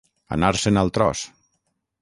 Anar-se'n al tros.